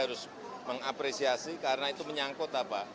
harus mengapresiasi karena itu menyangkut apa